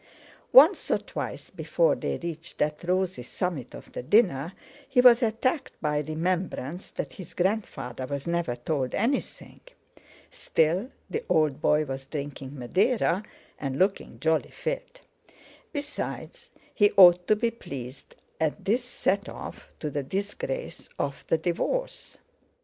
Once or twice before they reached that rosy summit of the dinner he was attacked by remembrance that his grandfather was never told anything! Still, the old boy was drinking Madeira, and looking jolly fit! Besides, he ought to be pleased at this set off to the disgrace of the divorce.